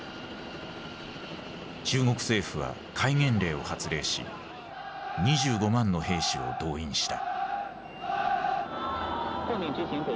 中国政府は戒厳令を発令し２５万の兵士を動員した。